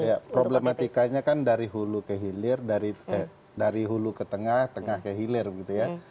iya problematikanya kan dari hulu ke hilir dari hulu ke tengah tengah ke hilir gitu ya